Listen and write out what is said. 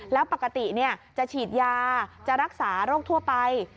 แล้วปกติจะฉีดยาจะรักษาโรคทั่วไป